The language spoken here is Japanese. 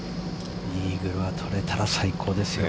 イーグルはとれたら最高ですよ。